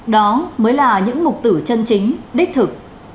đó mới là những mục tử chân chính đích thực